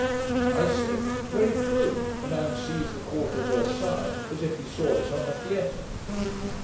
I said, 'Very true: a man sees the court of Versailles, as if he saw it on a theatre.'